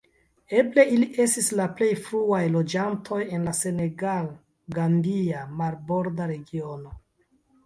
Eble ili estis la plej fruaj loĝantoj en la senegal-gambia marborda regiono.